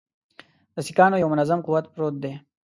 د سیکهانو یو منظم قوت پروت دی.